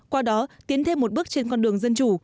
qua đó tiến thêm một bước trên con đường dân chủ